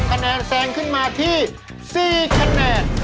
คะแนนแซงขึ้นมาที่๔คะแนน